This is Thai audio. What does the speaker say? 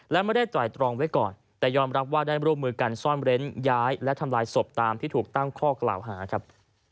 และไม่ได้ไตรตรองไว้ก่อนแต่ยอมรับว่าได้ร่วมมือกันซ่อนเร้นย้ายและทำลายศพตามที่ถูกตั้งข้อกล่าวหาครับ